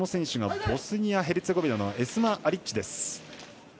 そしてボスニア・ヘルツェゴビナのエスマ・アリッチです。